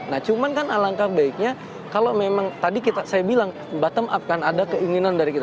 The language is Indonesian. nah cuman kan alangkah baiknya kalau memang tadi saya bilang bottom up kan ada keinginan dari kita